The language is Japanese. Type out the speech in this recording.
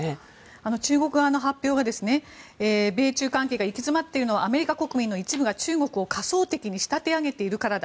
中国側の発表は米中関係が行き詰まっているのはアメリカ国民の一部が中国を仮想的に仕立て上げているからだ